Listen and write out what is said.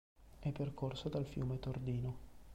È percorsa dal fiume Tordino.